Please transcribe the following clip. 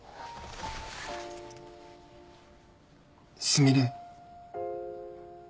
すみれ。